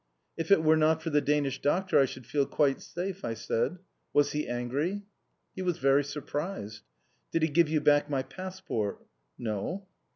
"If it were not for the Danish Doctor I should feel quite safe," I said. "Was he angry?" "He was very surprised." "Did he give you back my passport?" "No."